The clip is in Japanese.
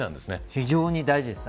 非常に大事です。